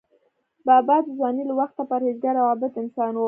بابا د ځوانۍ له وخته پرهیزګار او عابد انسان و.